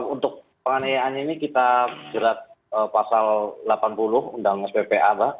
untuk penganiayaan ini kita menjerat pasal delapan puluh undang sppa mbak